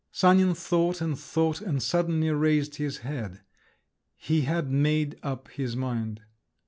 Sanin thought and thought, and suddenly raised his head; he had made up his mind.